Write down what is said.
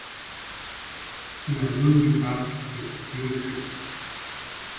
La zone du parc connaît peu de crimes.